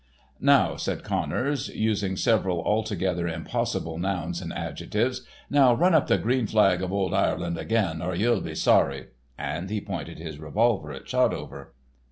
"Now," said Connors, using several altogether impossible nouns and adjectives, "now run up the green flag of ould Ireland again, or ye'll be sorry," and he pointed his revolver at Shotover.